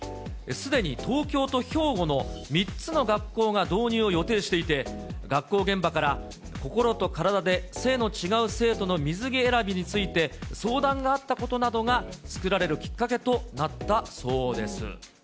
すでに東京と兵庫の３つの学校が導入を予定していて、学校現場から心と体で性の違う生徒の水着選びについて、相談があったことなどが作られるきっかけとなったそうです。